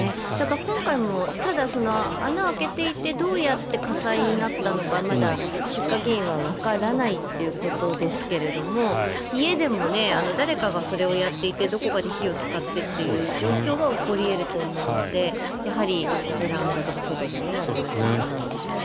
今回もただ、穴を開けていてどうやって火災になったのかまだ出火原因はわからないということですが家でも誰かがそれをやっていてどこかで火を使ってという状況は起こり得ると思うのでやはりベランダとか外でやらないといけないんでしょうね。